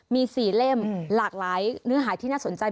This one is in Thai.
มี๔เล่มหลากหลายเนื้อหายที่น่าสนใจ